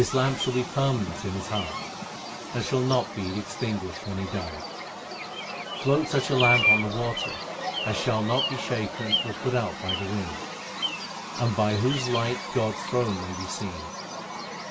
This lamp shall be permanent in his heart, And shall not be extinguished when he dieth. Float such a lamp on the water As shall not be shaken or put out by the wind, And by whose light God s throne may be seen.